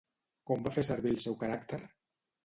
Com va fer servir el seu caràcter?